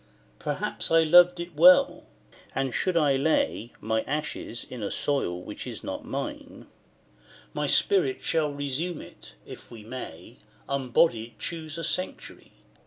Perhaps I loved it well: and should I lay My ashes in a soil which is not mine, My spirit shall resume it if we may Unbodied choose a sanctuary.